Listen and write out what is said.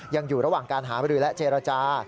ยังอยู่ระหว่างการหาบริและเจรจา